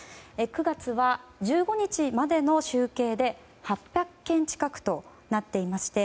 ９月は１５日までの集計で８００件近くとなっています。